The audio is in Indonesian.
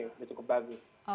udah cukup bagus